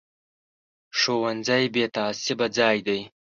ښوونځی بې تعصبه ځای دی